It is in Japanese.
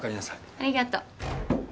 ありがとう。